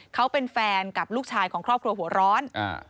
เขาเป็นแฟนกับลูกชายของครอบครัวหัวร้อนอ่า